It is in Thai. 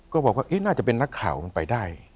ก็บอกว่าน่าจะเป็นนักข่าวมันไปได้